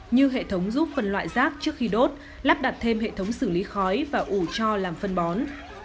như hệ thống giúp phân loại rác trước khi đốt lắp đặt thêm hệ thống xử lý khói và ủ cho làm phân bón